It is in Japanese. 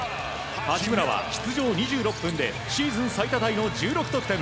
八村は出場２６分でシーズン最多タイの１６得点。